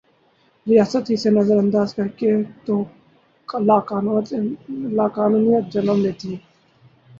ریاست اسے نظر انداز کرے تولاقانونیت جنم لیتی ہے۔